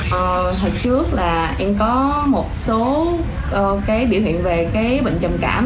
hồi trước là em có một số cái biểu hiện về cái bệnh trầm cảm